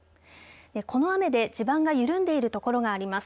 この雨で地盤が緩んでいる所があります。